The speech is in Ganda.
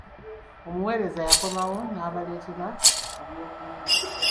Omuweereza yakomawo n'abaletera eby'okunywa.